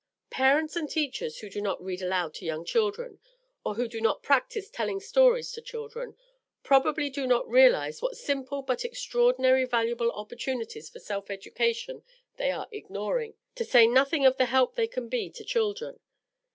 Parents and teachers who do not read aloud to young children, or who do not practise telling stories to children, probably do not realize what simple but extraordinarily valuable opportunities for self education they are ignoring, to say nothing of the help they can be to children.